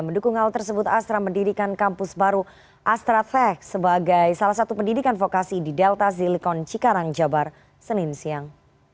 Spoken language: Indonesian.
mendukung hal tersebut astra mendirikan kampus baru astra tech sebagai salah satu pendidikan vokasi di delta zilicon cikarang jabar senin siang